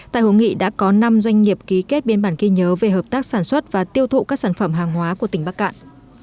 tại hội nghị đã có năm doanh nghiệp ký kết biên bản ghi nhớ về hợp tác sản xuất và tiêu thụ các sản phẩm hàng hóa của tỉnh bắc cạn